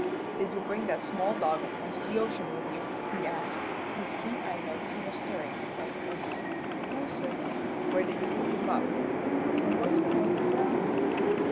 "Did you bring that small dog across the ocean with you?" he asked, his keen eye noting a stirring inside the bundle. "No, sir." "Where did you pick him up?" "Some boys were goin' to drown him."